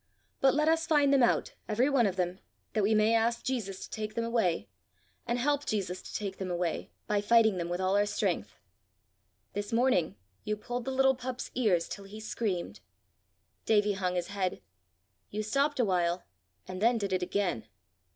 But let us find them out, everyone of them, that we may ask Jesus to take them away, and help Jesus to take them away, by fighting them with all our strength. This morning you pulled the little pup's ears till he screamed." Davie hung his head. "You stopped a while, and then did it again!